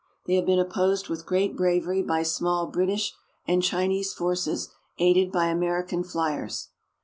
They have been opposed with great bravery by small British and Chinese forces aided by American fliers.